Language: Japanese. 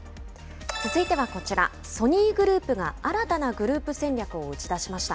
続いてはこちら、ソニーグループが新たなグループ戦略を打ち出しました。